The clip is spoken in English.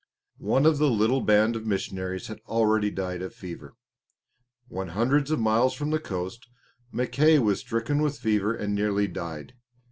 One of the little band of missionaries had already died of fever. When hundreds of miles from the coast, Mackay was stricken with fever and nearly died.